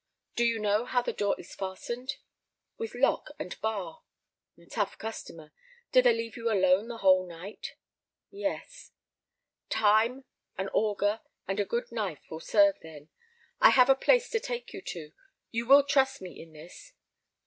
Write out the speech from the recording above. Do you know how the door is fastened?" "With lock and bar." "A tough customer. Do they leave you alone the whole night?" "Yes." "Time, an auger, and a good knife will serve then. I have a place to take you to. You will trust me in this?"